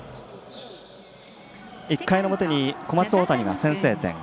１回の表、小松大谷が先制点。